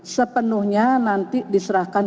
sepenuhnya nanti diserahkan